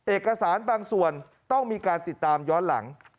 เอกสารบางส่วนต้องมีการติดตามย้อนหลัง